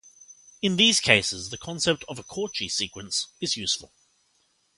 In these cases, the concept of a Cauchy sequence is useful.